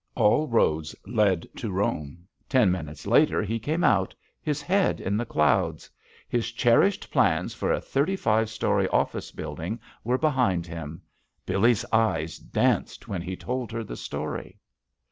All roads led to Rome. Ten minutes later he came out, his head in the clouds. His cher ished plans for a thirty five story office build ing were behind him. Billee's eyes danced when he told her the story.